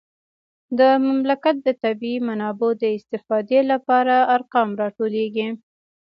د مملکت د طبیعي منابعو د استفادې لپاره ارقام راټولیږي